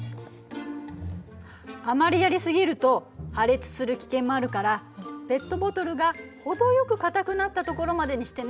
あまりやりすぎると破裂する危険もあるからペットボトルが程よく硬くなったところまでにしてね。